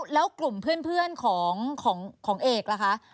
แล้วกลุ่มเพื่อนของเอกล่ะคะ